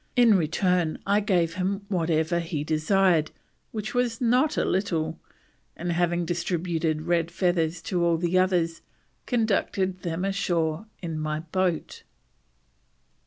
In return I gave him whatever he desired, which was not a little, and having distributed red feathers to all the others, conducted them ashore in my boat."